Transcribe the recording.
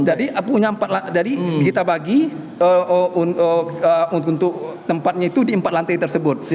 jadi kita bagi untuk tempatnya itu di empat lantai tersebut